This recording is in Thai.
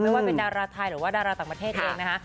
ว่าเป็นดาราไทยหรือว่าดาราต่างประเทศเองนะคะ